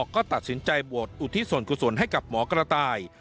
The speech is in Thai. ก็ตัดสินใจบวชอุทิศส่วนกุศลให้กับหมอกระต่าย